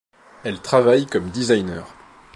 Elles travaillent comme designers.